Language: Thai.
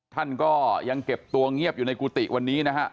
ท่านก็ยังเก็บตัวเงียบอยู่ในกุฏิวันนี้นะฮะ